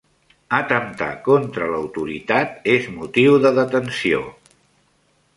Atemptar contra l'autoritat és motiu de detenció.